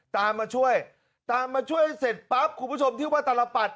ตามมาช่วยตามมาช่วยเสร็จปั๊บคุณผู้ชมที่ว่าตลปัด